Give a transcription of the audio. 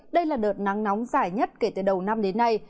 đây là đợt nắng nóng dài nhất kể từ đầu năm đến nay